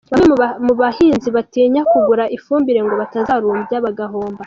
Bamwe mu bahinzi batinya kugura ifumbire ngo batazarumbya bagahomba.